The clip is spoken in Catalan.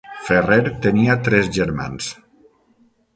Ferrer tenia tres germans.